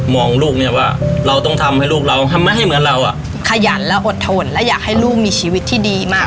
ลูกเนี่ยว่าเราต้องทำให้ลูกเราทำให้เหมือนเราอ่ะขยันและอดทนและอยากให้ลูกมีชีวิตที่ดีมาก